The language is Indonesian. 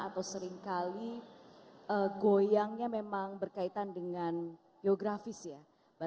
dan untuk indonesia